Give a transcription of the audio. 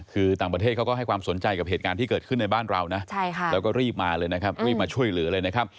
คือต่างประเทศเขาก็ให้ความสนใจกับเหตุการณ์ที่เกิดขึ้นในบ้านเรานะแล้วก็รีบมาเลยนะครับรีบมาช่วยเหลือเลยนะครับ